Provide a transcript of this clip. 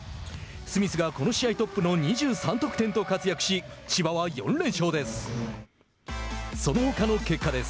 スミスがこの試合トップの２３得点と活躍し千葉は４連勝です。